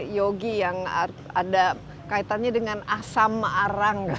yogi yang ada kaitannya dengan asamarang